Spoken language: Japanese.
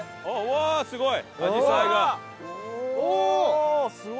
わあすごい！